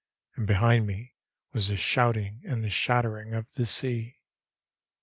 And behind me was the shouting and the shattering of the sea.